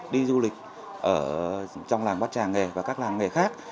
đi du lịch trong làng bát tràng nghề và các làng nghề khác